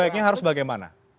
jadi baiknya harus bagaimana